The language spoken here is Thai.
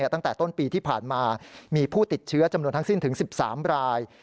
ตั้งแต่ต้นปีที่ผ่านมามีผู้ติดเชื้อจำนวนทั้งสิ้นถึง๑๓ราย